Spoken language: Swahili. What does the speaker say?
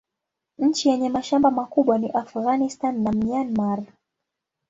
Nchi yenye mashamba makubwa ni Afghanistan na Myanmar.